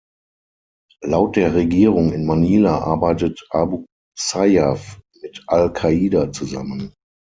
Laut der Regierung in Manila arbeitet Abu Sayyaf mit Al-Qaida zusammen.